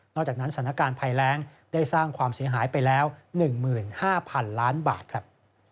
จากนั้นสถานการณ์ภัยแรงได้สร้างความเสียหายไปแล้ว๑๕๐๐๐ล้านบาทครับ